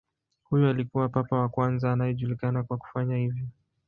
Huyu alikuwa papa wa kwanza anayejulikana kwa kufanya hivyo.